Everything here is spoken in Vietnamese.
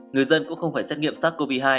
người dân cũng không phải xét nghiệm sars cov hai